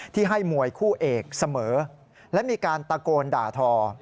ที่ให้มวยคู่เอกเสมอและมีการตะโกนด่าทอ